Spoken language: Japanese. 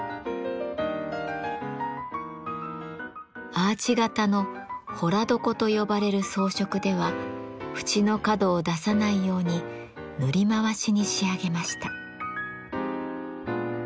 アーチ形の「洞床」と呼ばれる装飾では縁の角を出さないように塗り回しに仕上げました。